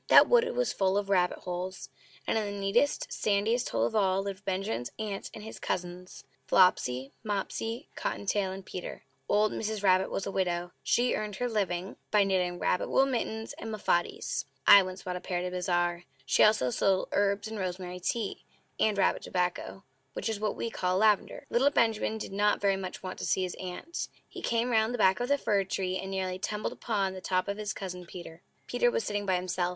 That wood was full of rabbit holes; and in the neatest, sandiest hole of all lived Benjamin's aunt and his cousins Flopsy, Mopsy, Cotton tail, and Peter. Old Mrs. Rabbit was a widow; she earned her living by knitting rabbit wool mittens and muffatees (I once bought a pair at a bazaar). She also sold herbs, and rosemary tea, and rabbit tobacco (which is what we call lavender). Little Benjamin did not very much want to see his Aunt. He came round the back of the fir tree, and nearly tumbled upon the top of his Cousin Peter. Peter was sitting by himself.